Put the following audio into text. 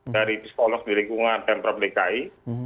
dari psikolog di lingkungan pemprov dki